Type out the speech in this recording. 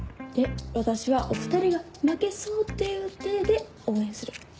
で私はお２人が負けそうっていうていで応援する。